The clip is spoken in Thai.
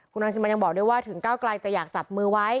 คุณรังสิมันยังบอกด้วยว่าถึงก้าวไกลจะอยากจับมือไว้